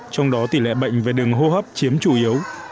trong đó tỷ lệ bệnh về đường hô hấp chiếm chủ yếu